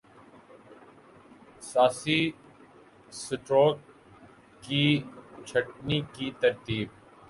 اساسی-سٹروک کی چھٹنی کی ترتیب